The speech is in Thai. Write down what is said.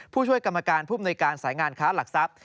ผู้ช่วยกรรมการผู้มนุยการสายงานค้าหลักทรัพย์